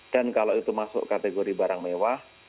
dan kalau itu masuk kategori barang mewah